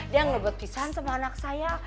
dia belum berpisah sama anak saya